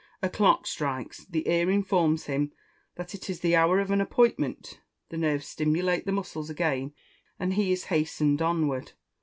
A clock strikes, the ear informs him that it is the hour of an appointment; the nerves stimulate the muscles again, and he is hastened onward.